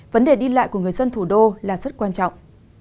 vấn đề đi lại của người dân thủ đô là rất quan trọng